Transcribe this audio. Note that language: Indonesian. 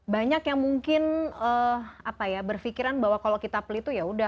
banyak yang mungkin berfikiran bahwa kalau kita pelit itu yaudah